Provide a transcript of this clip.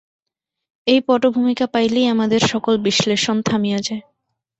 এই পটভূমিকা পাইলেই আমাদের সকল বিশ্লেষণ থামিয়া যায়।